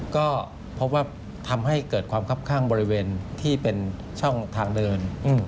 ก็พบว่าทำให้เกิดความคับข้างบริเวณที่เป็นช่องทางเดิน